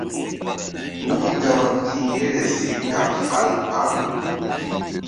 Wu̧y gama ti̧h here si kaɓ fal kpaŋ.